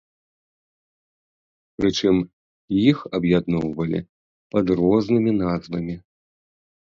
Прычым, іх аб'ядноўвалі пад рознымі назвамі.